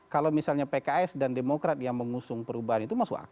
kalau misalnya pks dan demokrat yang mengusung perubahan itu masuk ak